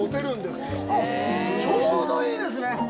おっ、ちょうどいいですね！